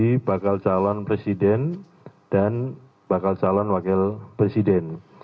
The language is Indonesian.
jadi bakal calon presiden dan bakal calon wakil presiden